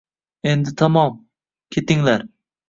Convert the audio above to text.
Endi tamom…Ketinglar